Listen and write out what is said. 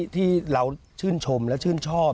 ที่เราชื่นชมและชื่นชอบ